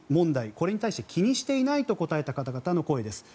これに対して気にしていないと答えた方々の声です。